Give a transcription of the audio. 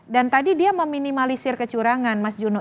dan tadi dia meminimalisir kecurangan mas juno